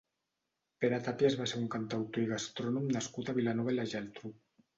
Pere Tàpias va ser un cantautor i gastrònom nascut a Vilanova i la Geltrú.